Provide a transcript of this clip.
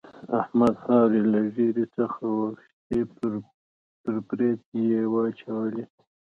احمد خاورې له ږيرې څخه واخيستې پر برېت يې واچولې.